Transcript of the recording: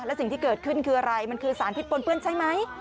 และสิ่งที่เกิดขึ้นคืออะไรมันคือสารพิษปนเปื้อนใช่ไหม